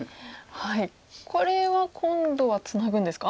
これは今度はツナぐんですか？